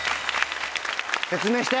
説明して。